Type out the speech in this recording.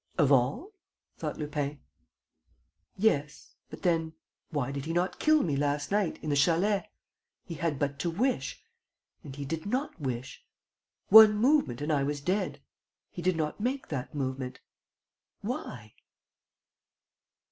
"Of all?" thought Lupin. "Yes. ... But then, why did he not kill me, last night, in the chalet? He had but to wish ... and he did not wish. One movement and I was dead. He did not make that movement. Why?"